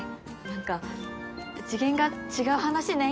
何か次元が違う話ね